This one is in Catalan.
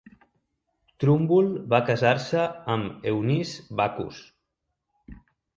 Trumbull va casar-se amb Eunice Backus.